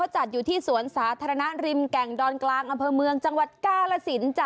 จัดอยู่ที่สวนสาธารณะริมแก่งดอนกลางอำเภอเมืองจังหวัดกาลสินจ้ะ